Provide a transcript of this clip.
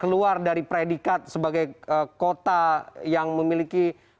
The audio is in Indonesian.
keluar dari predikat sebagai kota yang memiliki